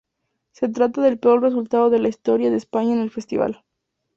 Se trata del peor resultado de la historia de España en el festival.